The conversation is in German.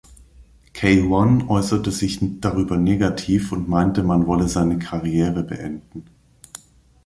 Kay One äußerte sich darüber negativ und meinte, man wolle seine Karriere beenden.